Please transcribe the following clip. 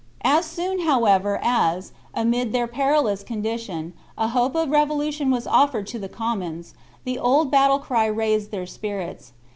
As soon, however, as, amid their perilous condition, a hope of revolution was offered to the commons, the old battle cry raised their spirits.